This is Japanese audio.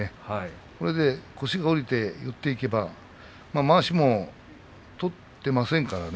そして腰が下りて寄っていけばまわしも取ってませんからね